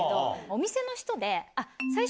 お店の人で。